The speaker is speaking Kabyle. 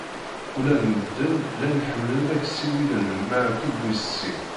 Ula d medden, llan ḥemmlen ad ak-ssiwilen "Meɛtub wis sin".